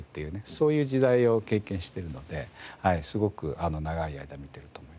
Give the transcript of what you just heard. そういう時代を経験してるのですごく長い間見てると思います。